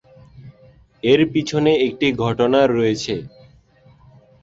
এর পিছনে একটি ঘটনা রয়েছে।